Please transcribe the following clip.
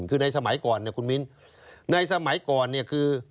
คือในสมัยก่อนเนี่ยคุณมิ้นในสมัยก่อนเนี่ยคือ